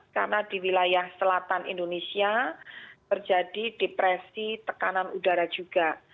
karena di wilayah selatan indonesia terjadi depresi tekanan udara juga